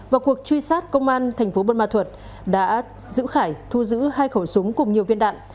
và cuộc truy sát công an thành phố bôn ma thuật đã giữ khải thu giữ hai khẩu súng cùng nhiều viên đạn